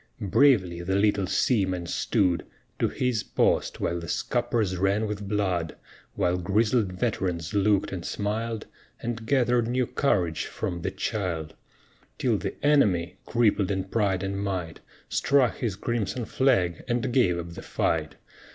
Bravely the little seaman stood To his post while the scuppers ran with blood, While grizzled veterans looked and smiled And gathered new courage from the child; Till the enemy, crippled in pride and might, Struck his crimson flag and gave up the fight.